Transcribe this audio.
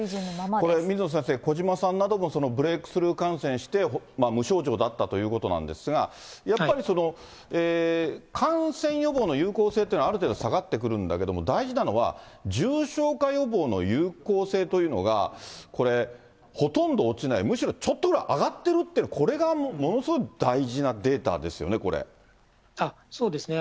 これ、水野先生、児嶋さんなどもブレークスルー感染して、無症状だったということなんですが、やっぱり感染予防の有効性というのはある程度下がってくるんだけども、大事なのは、重症化予防の有効性というのが、これ、ほとんど落ちない、むしろちょっとぐらい上がってるっていう、これがものすごい大事そうですね。